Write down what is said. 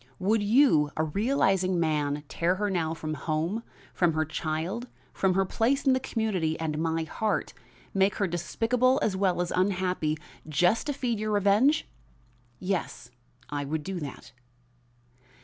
Would you, a realizing man, tear her now from home, from her child, from her place in the community and my heart make her despicable as well as unhappy, just to feed your revenge?" "Yes, I would do that."